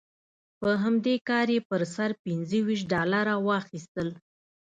په همدې کار یې پر سر پنځه ویشت ډالره واخیستل.